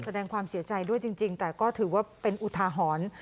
แสดงความเสียใจด้วยจริงแต่ก็ถือว่าเป็นอุทาหรณ์